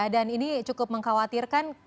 dan ini cukup mengkhawatirkan